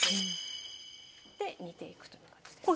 で煮ていくという感じです。